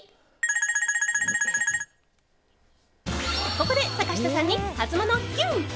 ここで坂下さんにハツモノＱ！